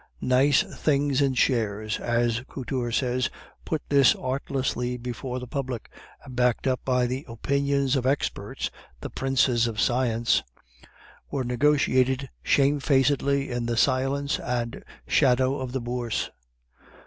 'Nice things in shares,' as Couture says, put thus artlessly before the public, and backed up by the opinions of experts ['the princes of science'), were negotiated shamefacedly in the silence and shadow of the Bourse.